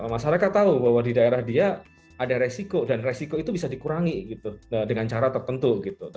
masyarakat tahu bahwa di daerah dia ada risiko dan risiko itu bisa dikurangi dengan cara tertentu